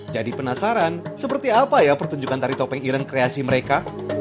jadi penasaran seperti apa ya pertunjukan tari topeng ireng kreasi mereka